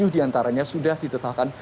tujuh diantaranya sudah ditetapkan